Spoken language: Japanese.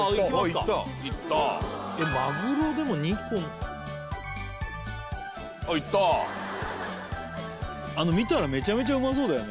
おっいったマグロでも２本あっいったあの見たらめちゃめちゃうまそうだよね